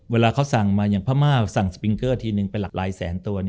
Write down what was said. เวลาเขาสั่งมาอย่างพม่าสั่งสปิงเกอร์ทีนึงเป็นหลักหลายแสนตัว